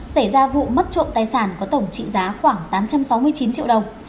xảy ra vụ mất trộm tài sản có tổng trị giá khoảng tám trăm sáu mươi chín triệu đồng